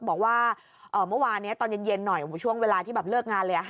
บอกว่าเมื่อวานนี้ตอนเย็นหน่อยช่วงเวลาที่แบบเลิกงานเลย